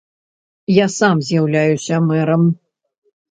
Я сам з'яўляюся мэрам.